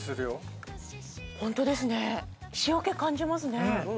ホントですね塩気感じますね。